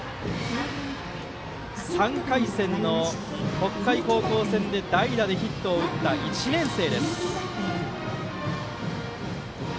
３回戦の北海高校戦で代打でヒットを打った、１年生。